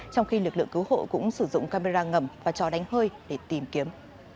trong khi lực lượng cứu hộ cũng sử dụng camera ngầm và cho đánh hơi để tìm kiếm